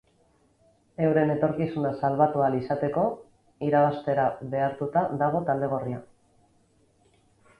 Euren etorkizuna salbatu ahal izateko, irabaztera behartuta dago talde gorria.